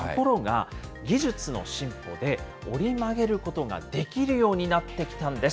ところが、技術の進歩で折り曲げることができるようになってきたんです。